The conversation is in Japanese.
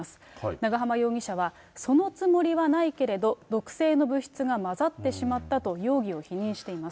長浜容疑者は、そのつもりはないけれど、毒性の物質が混ざってしまったと容疑を否認しています。